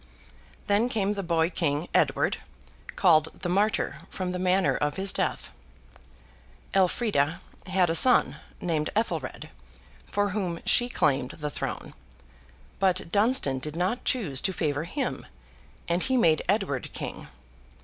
Then came the boy king, Edward, called the Martyr, from the manner of his death. Elfrida had a son, named Ethelred, for whom she claimed the throne; but Dunstan did not choose to favour him, and he made Edward king.